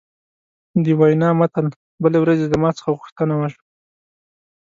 د وینا متن: بلې ورځې زما څخه غوښتنه وشوه.